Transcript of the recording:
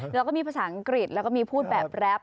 แล้วก็มีภาษาอังกฤษแล้วก็มีพูดแบบแรป